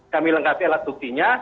kami lengkapi alat duktinya